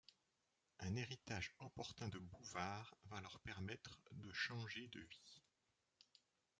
Un héritage opportun de Bouvard va leur permettre de changer de vie.